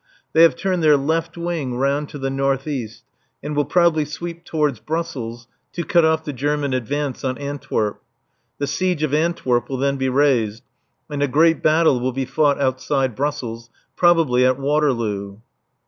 They have turned their left [?] wing round to the north east and will probably sweep towards Brussels to cut off the German advance on Antwerp. The siege of Antwerp will then be raised. And a great battle will be fought outside Brussels, probably at Waterloo.